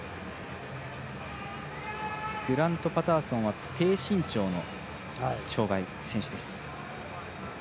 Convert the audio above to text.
グラント・パターソンは低身長の障がいの選手です。